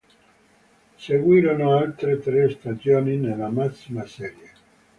Seguirono altre tre stagioni nella massima serie.